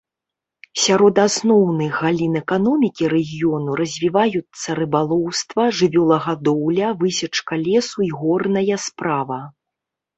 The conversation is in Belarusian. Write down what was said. Сярод асноўных галін эканомікі рэгіёну развіваюцца рыбалоўства, жывёлагадоўля, высечка лесу і горная справа.